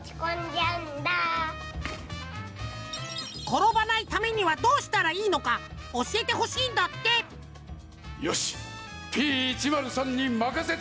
ころばないためにはどうしたらいいのかおしえてほしいんだってよしＰ１０３にまかせてくれ！